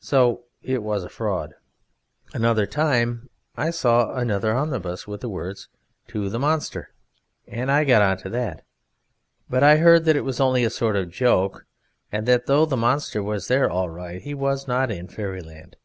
So it was a fraud. Another time I saw another omnibus with the words, 'To the Monster,' and I got into that, but I heard that it was only a sort of joke, and that though the Monster was there all right, he was not in Fairyland.